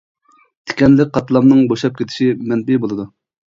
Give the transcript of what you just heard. تىكەنلىك قاتلامنىڭ بوشاپ كېتىشى مەنپىي بولىدۇ.